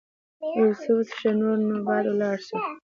یو څه وڅښه، نور نو باید ولاړ شم.